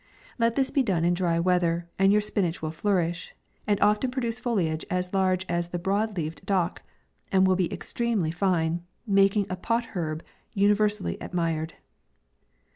Let this be done in dry weather, and your spinach will flourish, and often pro duce foliage as large as the broad leaved dock, and be extremely fine, making a pot herb universally admired.